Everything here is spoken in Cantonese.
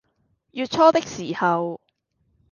月初的時候